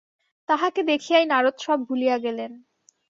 তাহাকে দেখিয়াই নারদ সব ভুলিয়া গেলেন।